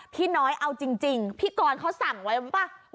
พี่น้อยเอาจริงพี่กรเขาสั่งไว้ป่ะ